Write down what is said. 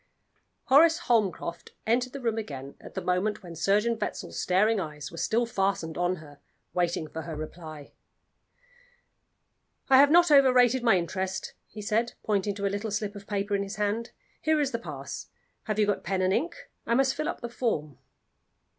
Horace Holmcroft entered the room again at the moment when Surgeon Wetzel's staring eyes were still fastened on her, waiting for her reply. "I have not overrated my interest," he said, pointing to a little slip of paper in his hand. "Here is the pass. Have you got pen and ink? I must fill up the form."